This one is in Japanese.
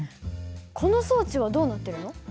この装置はどうなってるの？